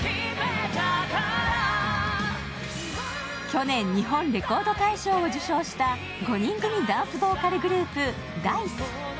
去年、日本レコード大賞を受賞した５人組ダンスボーカルグループＤａ−ｉＣＥ。